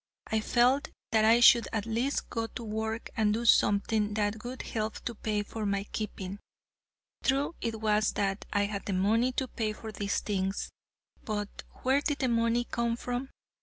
I felt that I should at least go to work and do something that would help to pay for my keeping. True it was that I had the money to pay for these things, but where did the money come from?